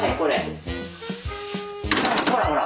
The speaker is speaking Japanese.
ほらほら。